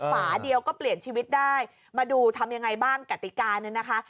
ฝาเดียวก็เปลี่ยนชีวิตได้มาดูทำยังไงบ้างกติกาเนี่ยนะคะ